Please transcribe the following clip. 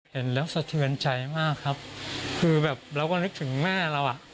เห็นแล้วสะเทือนใจมากครับคือแบบเราก็นึกถึงแม่เราอ่ะ